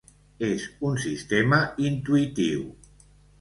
És un sistema intuïtiu.